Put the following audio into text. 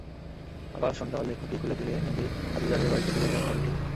আবার সন্ধ্যা হলে খুঁটি খুলে দিলে নিজেই আজিজারের বাড়িতে ফিরে যায় গাভিটি।